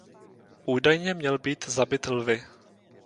Údajně měl být zabit lvy.